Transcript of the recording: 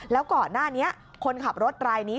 แล้วก่อนหน้านี้คนขับรถรายนี้